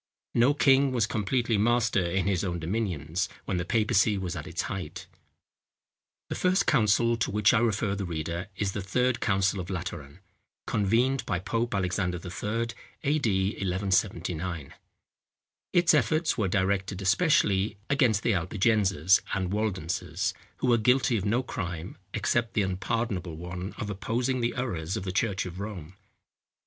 No king was completely master in his own dominions, when the papacy was at its height. The first council to which I refer the reader is The Third Council of Lateran, convened by Pope Alexander III., A.D. 1179. Its efforts were directed especially against the Albigenses and Waldenses, who were guilty of no crime, except the unpardonable one of opposing the errors of the church of Rome.